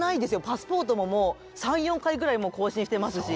パスポートももう３４回ぐらい更新してますし。